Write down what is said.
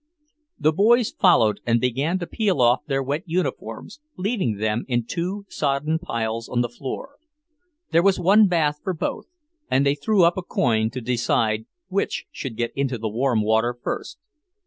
The boys followed him and began to peel off their wet uniforms, leaving them in two sodden piles on the floor. There was one bath for both, and they threw up a coin to decide which should get into the warm water first. M.